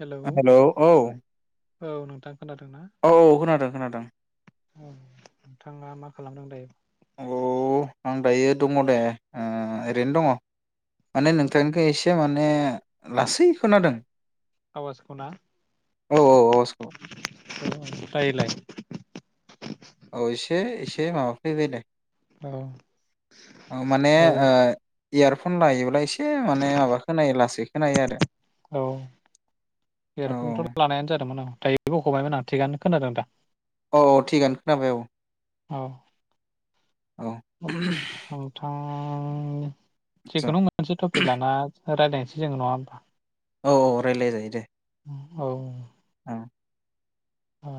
Hello ओ हेल औ औ नोंथां खोनो दोंना औ खोनादों खोनादों नोंथाङा मा खालामदों दायो औ आं दायो दङ दे ओ ओरैनो दङ माने औ नोंथांनिखो इसे माने [unintelligible] लासै खोनादों आवाज खौना औ आवाजखौ दायोलाय अ इसे एसे माबाफैबाय दे औ ओ माने औ ओ इयारफन लायोब्ला एसे माने माबा खोनायो लासै खोनायो आरो औ औ देरफनोथ लानायानो जादोंमोन आं दायो बखबायमोन आं थिगानो खोनादों दा? औ औ थिगानो खोनाबाय औ औ औ [inaudible] नोंथां ओं आदसा जिखुनु मोनसे टपिक लाना रायलायनोसै जोंङो नङा होमबा औ औ रायज्लाय जायो दे औ औ ओ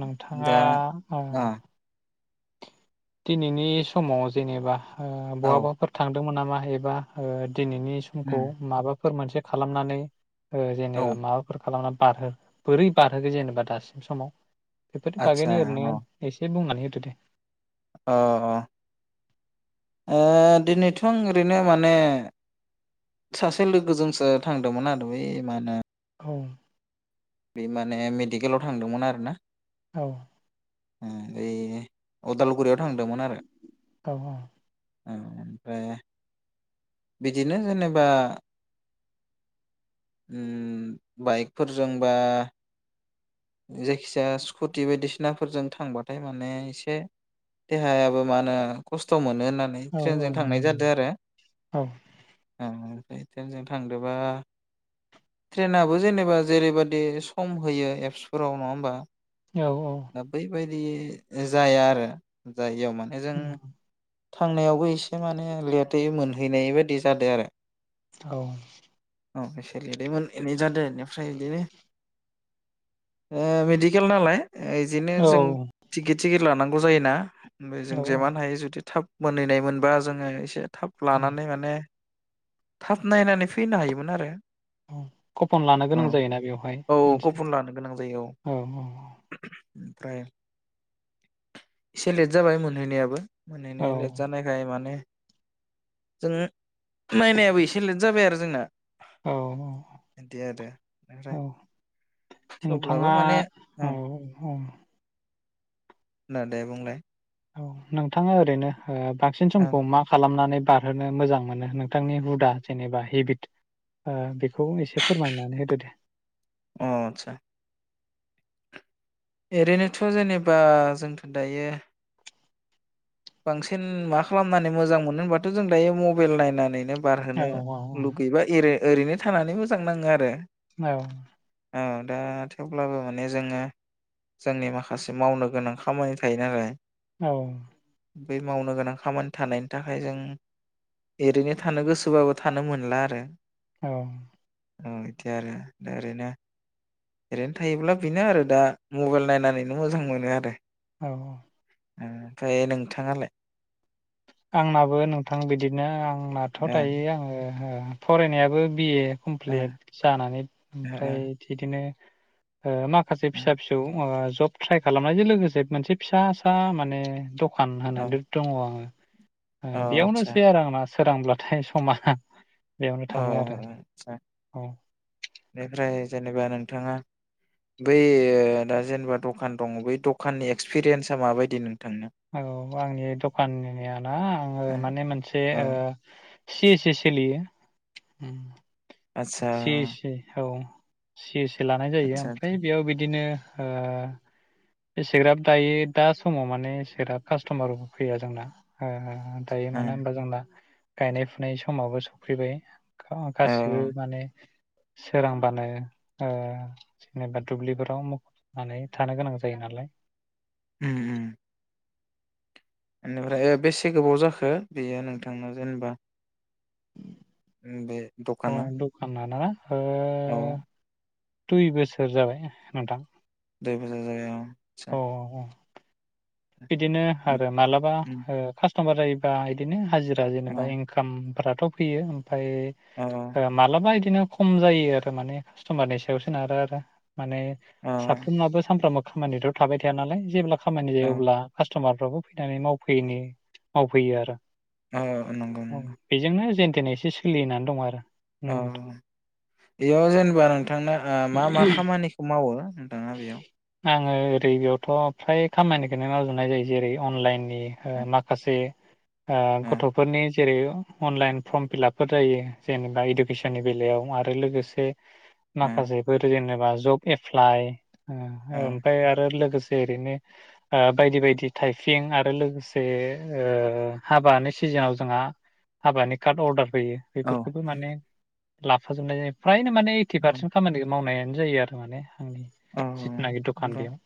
नोंथाङा दा औ दिनैनि समाव जेनेबा औ बहाबाफोर थां मोन नामा एबा ओ दिनैनि समखौ उम माबा बा फोर मोनसे खालामनानै औ जेनेबा माबाफोर खालामना बारहो बोरै बारहोखो जेनेबा दासिम समाव बेफोरथ आदसा बागैनो ओरैनो औ एसे बुंनानै हो दो दे अ अ ओ दिनैथ आं ओरैनो माने सासे लोगोजोंसो थांदोंमोन आरो बै मा होनो उम बे माने मेडिकेलाव थांदोंमोन आरो ना औ उम यै उदालगुरियावद थांदोंमोन आरो औ उम ओमफ्राय बिदिनो जेनेबा उम बाइकफोरजों बा जायखिजाया स्कुटि बायदिसिनाफोरजों थांबाथाय माने इसे देहायाबो मा होनो खस्थ मोनो। नानै औ औ ट्रेनजों थांनाय मोनो मोनो जादो आरो औ औ औ ट्रेनजों थांदोबा ट्रेनाबो जेनेबा जेरैबादि सम होयो एबसु फोराव नङा होमबा औ औ दि जाया आरो जाय इयाव माने जों थांनायावबो एसे माने लेटै मोनहैनाय बायदि जादों आरो औ औ इसे लेदै मोनहैनाय जादो। इनिफ्राय इदिनो ओ मेडिकेल नालाय ओ इजिनो औ जों टिकिट टिकिट लानांगौ जायोना ओमफाय जों औ जेमान हायो जुते थाब मोनहैनाय मोनबा जोङो इसे थाब लानानै माने थाब नायनानै फैनो हायोमोन आरो उम कपुन लानो औ गोनां जायोना बेवहाय औ मोनसे कपन लानो औ औ औ फ्राय इसे लेट जाबाय मोनहैनायाबो। औ मोनहैनाया लेट जानायखाय माने जोङो नायनायाबो इसे लेट जाबाय आरो जोंना औ बिदि आरो ओमफ्राय औ औ थेवब्लाबो नोंथाङा माने औ ओं औ ना दे बुंलाय। औ नोंथाङा ओरैनो ओ बांसिन औ समखौ मा खालामनानै बारहोनो मोजां मोनो नोंथांनि हुदा जेनेबा हेबिट ओ बेखौ इसे फोरमायनानै होदो दे अ आदसा एरैनोथ जेनेबा जोंथ दायो बांसिन मा खालामनानै मोजां मोनो होनबाथ जों दायो मबेइल नायनानैनो औ बारहोनो औ लुगैबा एरे ओरैनो थानानै मोजां नाङो आरो औ औ दा थेवब्लाबो माने जोङो जोंनि माखासे मावनो गोनां खामानि थायो नालाय औ बै मावनो गोनां खामानि थानायनि थाखाय जों ओरैनो थानो गोसोबाबो थानो मोनला आरो औ औ बिदि आरो दा ओरैनो ओरैनो थायोब्ला बेनो आरो दा मबाइल नायनानैनो मोजां मोनो आरो औ ओ ओमफ्राय नोंथाङालाय आंनाबो नोंथां बिदिनो आं आंनाथ ओ दायो आङो फरायनायाबो बिए ओ कमप्लिट जानानै ओ ओमफ्राय बिदिनो ओ माखासे ओ फिसा फिसौ ओ जब ट्राइ खालामनायजों लोगोसे मोनसे फिसा सा माने दखान ओ औ होनानै दङ आङो अ आतसा बेयावनोसै आरो आं ना सोरांब्लाथाय समा बेयावनो अ थाङो आरो आतसा औ बेनिफ्राय जेनेबा नोंथाङा बै दा जेनेबा दखान दङ बै दखाननि एक्सपिरियेन्सा माबायदि नोंथां औ आंनि दखाननिया ना आङो ओ माने मोनसे औ ओ एसे एसे सोलियो आतसा से से औ [unintelligible] लानाय जायो आतसा ओमफ्राय आतसा बेयाव बिदिनो हो एसेग्राब दायो दा समाव माने एसेग्राब कास्टमारबो फैया जोंना दायो मानो होनबा जोंना गायनाय फुनाय समाबो सफैबाय औ गासिबो माने सोरांबानो जेनेबा दुब्लिफोराव मखुबनानै थानो गोनां जायो जायो नालाय उम उम बेनिफ्राय बेसे गोबाव जाखो बेयो नोंथांना जेनेबा उम बे अ दखाना दखाना ना? हो औ दुइ बोसोर जाबाय नोंथां। दुइ बोसोर जाबाय औ। औ सा। औ बिदिनो आरो मालाबा उम ओ हामा जायोबा इदिनो हाजिरा औ जेनेबा इनखामफ्रा ट फैयो। फाय औ ओ मालाबा बिदिनो खम जायो आरो माने कास्टमारनि सायाव सोनारो आरो। माने औ साफ्रोमनाबो सानफ्रामबो खामानिथ थाबाय थाया नालाय जेब्ला खामानि औ जायो अब्ला कास्टमार फ्राबो फैनानै मावफैयोलै मावफैयो आरो। नंगौ औ नंगौ बेजोंनो जेन दिनै एसे सोलिनानै दं आरो। औ नोंथां बेयाव जेनेबा नोंथांना ओ मा मा खामानिखौ मावो? नोंथाङा बेयाव? आङो ओरै बेयावथ फ्राय खामानिखौनो मावजोबनाय जायो जेरै अनलाइन ओ [unintelligible] माखासे ओ गथफोरनि जेरै अनलाइन फर्म फिलापफोर जायो जेनेबा इडुकेसननि बेलायाव आरो लोगोसे ओ माखासेफोर जेने बा जब एप्लाइ। ओ ओमफाय आरो लोगोसे [unintelligible] बायदि बायदि थाइपिं आरो लोगोसे ओ हाबानि सिजोनाव जोंहा हाबानि कार्ड अर्डार फैयो ओ बेफोरखौबो माने लाफाजोबनाय [unintelligible] फ्रायनो माने ओइटि औ पारसेन्ट खामानिखौ मावनाय जायो आरो माने आंनि औ जिथुनाखि दखान बेयाव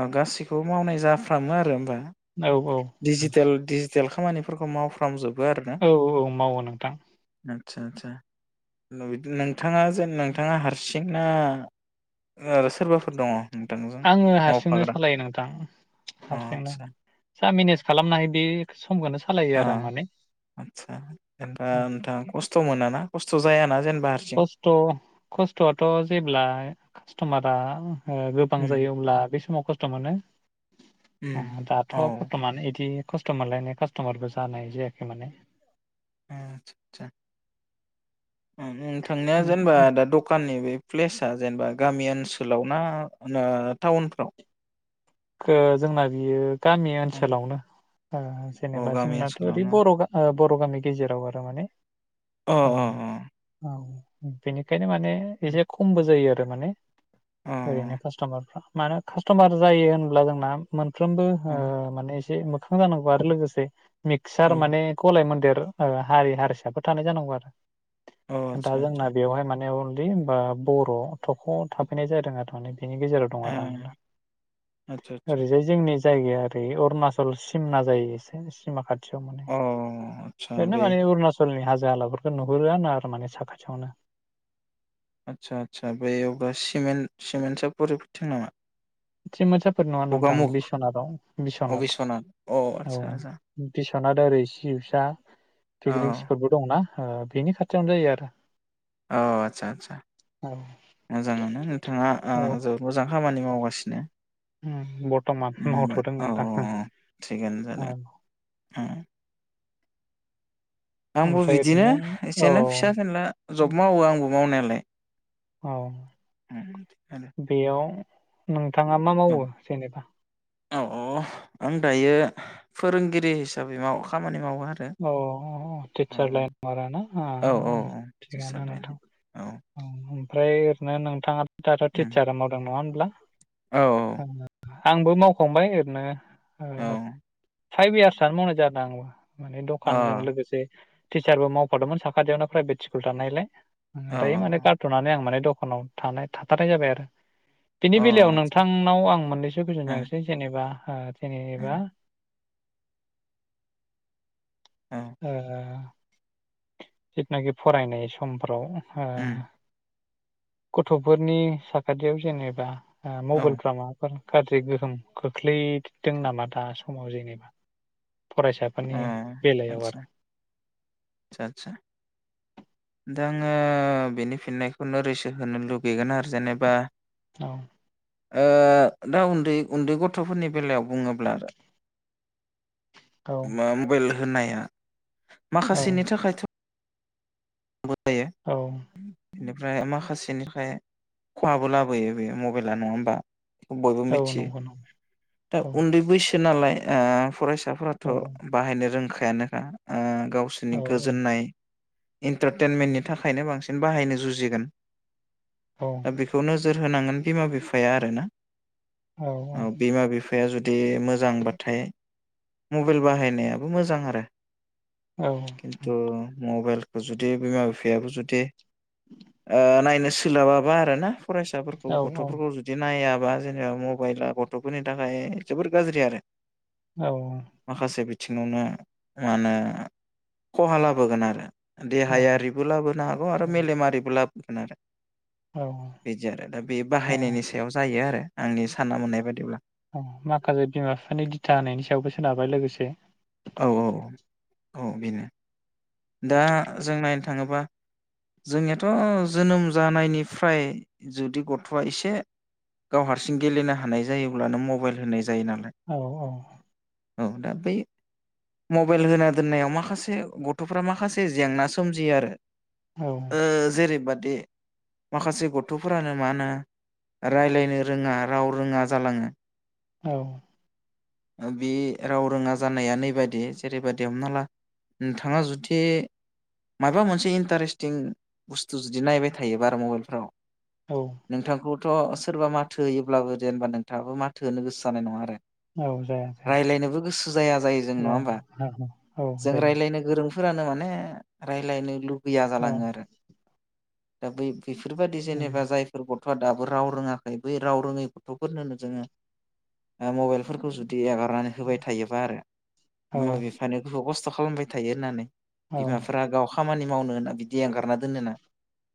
औ गासिखौबो मावनाय जाफ्रामो आरो होनबा औ दिजिटेल दिजिटेल खामानिफोरखौ मावफ्राम जोब औ औ मावो नोंथां आदसा आदसा नोंथाङा जेन नोंथाङा हारसिंना सोरबाफोर दङ नोंथांजों आङो हारसिंनो मावफाग्रा सालायो नोंथां अ हारसिंनो आदसा आ मेनेज खालामनो हायो बे समखौनो सालायो आ आरो आं माने आच्छा ओफाइ औ। नोंथां खस्थ मोनाना खस्थ जायाना? जेनेबा हारसिं खस्थ खस्थआथ जेब्ला कास्टमारा आं ओम गोबां उम जायोब्ला अब्ला बै समाव खस्थ मानो। उम दाथ औ बरथमान इदि खस्ट मोनलायनाय कास्टमारबो जानाय जायाखै माने आ आच्छा सा ओम नोंथांनिया ओ, जेनेबा दा दखाननि बे प्लेस जेनेबा गामि ओनसोलाव ना? ना टाउनफ्राव? ओ जोंना बियो गामि अ ओनसोलावनो जेनेबा गामि जोंनाथ ओरै ओनसोलावनो बर ओ बर गामि गेजेराव आरो माने अ ह औ। बेनिखायनो मा ने अ एसे खमबो जायो आरो दो माने ओरैनो कास्टमारफ्रा मानो कास्टमार जायो हो ब्ला जोंना मोन फ्रोमबो अ ओ माने इसे खां जानागोबा आरो लोगोसे औ मिक्सार माने गलाय मोनदेर ओ आरो हारि हारिसाफोर थानाय जानांगौ आरो औ दा आतसा जोंना आतसा बेवहाय माने अ बि बा बर थख थाफैनाय जादों आधनिक बिनि गेजेराव दं ओ आरो आं दा। आतसा आतसा ओरैजाय जोंनि जायगाया ओरै अरुणनाचल सिमना जायो एसे सिमा खाथ थियाव माने अ आतसा ओरैनो बै माने रुणचलनि हाज जो ला फोरखौ नुहुरोआ न आरो माने साखाथियावनो। आतसा आतसा बैयावबो सिमेन्ट सिमेन्टसापरि फोथिं नामा? चेमोनसाब फोर नङा नोंथाङा गगामुख बिस्वनाथ आव अ बिस्वनाथ अ औ आतसा आतसा खाना दा ओरै सिब सा औ पिकनिक स्पितबो दंना? ओ बेनि खाथियावनो जायो आरो औ आतसा आदसा औ मोजाङानो नोंथाङा ओ जोबोद मोजां खामानि मावगास सिनो होम बरथमान मावथदों नोथां हो औ थिगानो ओ जादों उम आंबो ओमफ्राय बिदिनो ओरैनो औ एसेनो फिसा फिनला जब मावो आंबो मावनायालाय औ उम आरो बेयाव नों थांङा मा औ मावो जेनेबा? औ औ आं दायो फोरोंगिरि हिसाबै माव खामानि मावो। आरो औ औ औ औ टिचार लाइनार आरोना हा औ हा औ हा औ टिचार थिगानो लाइन नोथां औ औ फ्राय ओरैनो नोंथाङा दाथ उम टितचारा मावदों नङा होमब्ला? औ औ आंबो मावखांबाय ओरैनो औ ओ फाइभ इयार्सयानो मावनाय जादो आंबो। माने अ दखानजों लोगोसे टिचारबो मावफादोंमोन साखाथियावनो प्राइभेट स्कुल थानायलाय आ औ दायो माने औ गारथनानै आं माने दं खनाव थानाय थाथारनाय जाबाय आरो। बेनि अ बेलायाव आतसा नोंथांनाव आं मोननैसो कुइसन ओ सोंसै जेनेबा आद ओ जेनेबा ओ औ ओ ओ जिथनाखि फरायनाय समफ्राव हो उम गथ'फोरनि साखाथियाव जेनेबा ओ औ मबेलफ्रा माबाफोर गाज्रि गोहोम खोख्लैदों नामा दा समाव जेनेबा अ फरायसाफोरनि बेलायाव आरो? आदसा आदसा दा आङो बेनि फिननायखौ नोरैसो होनो लुगैगोन आरो जेनेबा औ ओ दा उन्दै उन्दै गथफोरनि बेलायाव बुङोब्ला आरो औ मा मबाइल होननाया औ माखासेनि थाखायथ' मोजांबो जायो औ [unintelligible] ओमफ्राय माखासेनिफ्राय खहाबो लाबोयो बे मबाइला नङा होमबा बयबो औ मिथियो नंगौ नंगौ दा औ उन्दै बैसो नालाय ओ फरायसा औ फोराथ' बाहायनो रोंखा यानोखा ओ गावसिनि औ गोजोननाय इन्टारटेनमेन्टनि थाखायनो बांसिन बाहायनो जुजिगोन औ दा बेखौ नो जोर होनांगोन बिमा बिफाया आरोना औ औ बे जुदि मोजांबाथाय मबाइल बाहायनायाबो मोजां आरो औ खिन्थु मबाइल जुदि बिमा बिफायाबो जुदि ओ नायनो सोलाबाबा आरोना फरायसाफोरखौ गथ'फोरखौ जुदि नाया बा जेनेबा मबाइला गथ'फोरनि थाखाय जोबोर गाज्रि आरो औ थिंयाव ना मा होनो खहा लाबोगोन आरो देहायारिबो लाबोनो हागौ आरो मेलेमारिबो लाबो गोन आरो बिदि आरो दा बे औ बाहायनायनि सायाव जायो आरो आंनि सानना मोननाय बायदिब्ला अ माखासे बिमा बिफानि दिथा होनायनि सायावबो सोनारबाय लोगोसे औ औ औ बेनो दा जों नायनो थाङोबा जोंनियाथ' जोनोम जानायनिफ्राय जुदि गथ' आ एसे गाव हारसिं गेलेनो हानाय जायोब्लानो मबाइल होनाय जायो नामा? औ औ औ दा बै मबाइल होना दोननायाव माखासे ग गथ'फ्रा माखासे जेंना सोमजियो आरो औ ओ जेरैबादि माखासे गथ'फोरानो मा होनो राय्लायनो रोङा राव रोङा जालाङो। औ ओ बे राव रोङा जानाया नैबादि जेरैबायदि हमना ला नोंथां ङा जुदि माबा मोनसे इन्टारेस्टिं बुस्थु जुदि नायबाय थायोबा आरो मबाइलफोराव औ नोंथांखौ थ' सोरबा माथो होयोब्लाबो जेनबा नोंथाङाबो माथो होनो गोसो जानाय नङा आरो औ जाया जाया राय्लायनोबो गोसो जाया जायो जों नङा औ होमबा औ औ जों जायो राय्लायनो [unintelligible] फोरानो माने रायलायनो लु गैया औ जालाङो आरो दाबै फोरबायदि जेनेबा जायफोर ग थ'आ दाबो राव रोङाखै बै राव रोङै गथफोरनोनो जोङो ओ मबाइलफोरखौ जुदि एगारनानै होबाय थायोबा आरो औ बिमा-बिफानो गोबां खस्थ खालामबाय थायो होननानै औ बिमाफोरा गाव खामानि मावनो होना बिदि एंगारना दोनो ना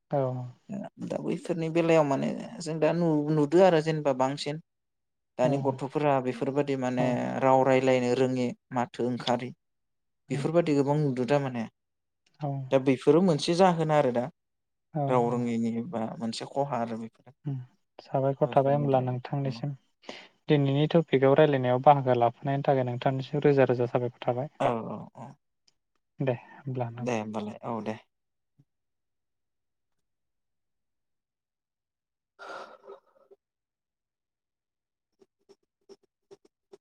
औ फोरनि बेलायाव माने जों दा नुदो आरो जेनेबा बांसिन दानि गथ'फोरा बेफोरबायदि माने औ राव राय रायलायनो रोङि माथो ओंखारि बेफोरबादि गोबां नुदों दों माने औ दा बेफोरो मोन से जाहोन आरो दा राव रोङिनि बा मोनसे खहा आरो बे उम साबायखर थाबाय होमब्ला औ नोंथांनिसिम दिनैनि टपिकआव रायज्लायनायाव बाहागो लाफैनायनि थाखाय नोंथांनिसिम रोजा रोजा साबायखर थाबाय औ औ औ दे नोंथां दे होमबालाय औ दे [inaudible]